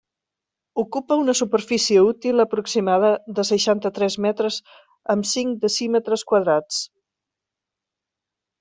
Ocupa una superfície útil aproximada de seixanta-tres metres amb cinc decímetres quadrats.